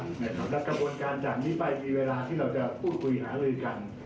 และกระบวนการจากนี้ไปมีเวลาที่เราจะพูดคุยหาลือกัน